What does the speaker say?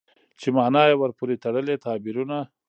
چې مانا يې ورپورې تړلي تعبيرونه